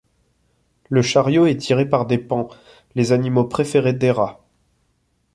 Le chariot est tiré par des paons, les animaux préférés d'Héra.